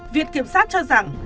viện kiểm sát cho rằng